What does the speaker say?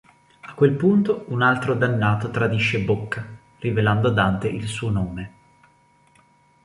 A quel punto un altro dannato tradisce Bocca, rivelando a Dante il suo nome.